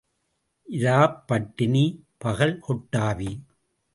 இராப் பட்டினி, பகல் கொட்டாவி.